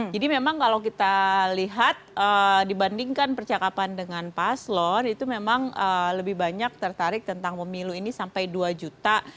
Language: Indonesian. jadi memang kalau kita lihat dibandingkan percakapan dengan paslon itu memang lebih banyak tertarik tentang pemilu ini sampai dua juta